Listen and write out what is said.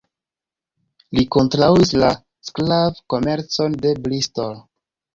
Li kontraŭis la sklav-komercon de Bristol.